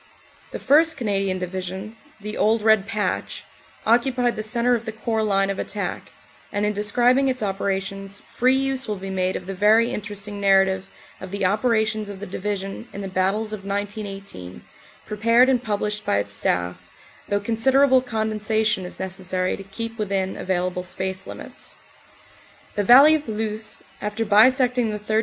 The 1st Canadian Division, the "Old Red Patch," occupied the centre of the Corps line of attack, and in describing its operations free use will be made of the very interesting narra tive of the operations of the Division in the battles of 1918, prepared and published by its Staff, though considerable con densation is necessary to keep within available space limits. The valley of the Luce, after bisecting the 3rd.